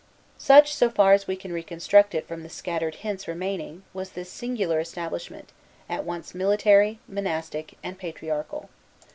Such, so far as we can reconstruct it from the scattered hints remaining, was this singular establishment, at once military, monastic, and patriarchal.